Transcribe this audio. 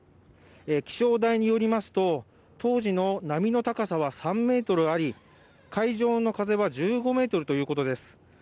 気象台によりますと当時の波の高さは３ｍあり海上の風は１５メートルということです。